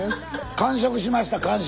完食しました完食。